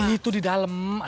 itu di dalam